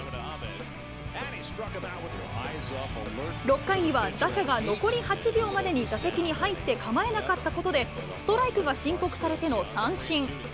６回には、打者が残り８秒までに打席に入って構えなかったことで、ストライクが申告されての三振。